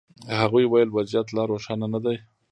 هغوی ویل وضعیت لا روښانه نه دی.